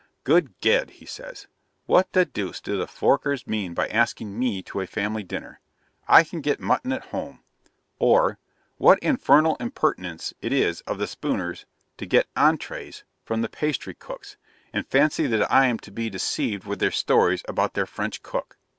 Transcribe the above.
'Good Ged!' says he, 'what the deuce do the Forkers mean by asking ME to a family dinner? I can get mutton at home;' or 'What infernal impertinence it is of the Spooners to get ENTREES from the pastrycook's, and fancy that I am to be deceived with their stories about their French cook!'